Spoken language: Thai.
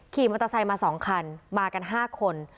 ขี่มอเตอร์ไซค์มา๒คันมากัน๕คน